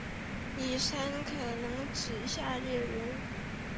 李珊可能指下列人物